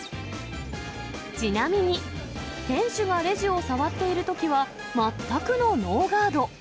ちなみに、店主がレジを触っているときは、全くのノーガード。